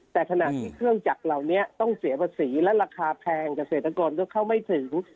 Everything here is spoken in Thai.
แต่ขณะที่เครื่องจักรเหล่านี้ต้องเสียภาษีและราคาแพงเกษตรกรก็เข้าไม่ถึง